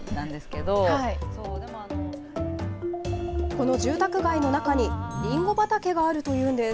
この住宅街の中に、りんご畑があるというんです。